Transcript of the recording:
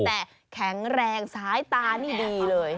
แต่แข็งแรงซ้ายตานี่ดีเลย